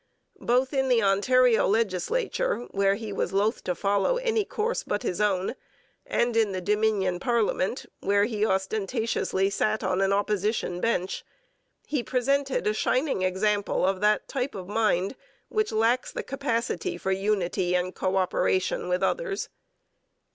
Both in the Ontario legislature, where he was loth to follow any course but his own, and in the Dominion parliament, where he ostentatiously sat on an Opposition bench, he presented a shining example of that type of mind which lacks the capacity for unity and co operation with others.